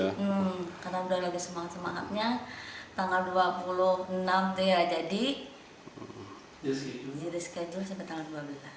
karena udah lagi semangat semangatnya tanggal dua puluh enam jadi reskijul sampai tanggal dua belas